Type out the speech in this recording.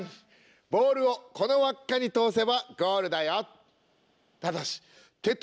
ボールをこの輪っかに通せばゴールだよ。